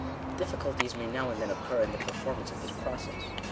Difficulties may now and then occur in the performance of this process.